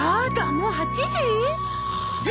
もう８時よ！